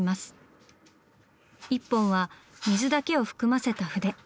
１本は水だけを含ませた筆。